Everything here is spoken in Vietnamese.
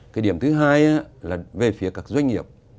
cái điểm thứ hai là về phía các doanh nghiệp